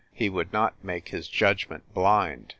He would not make his judgment blind.